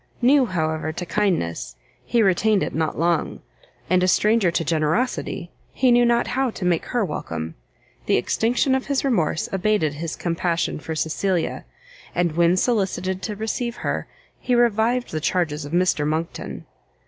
New, however, to kindness, he retained it not long, and a stranger to generosity, he knew not how to make her welcome: the extinction of his remorse abated his compassion for Cecilia, and when solicited to receive her, he revived the charges of Mr Monckton.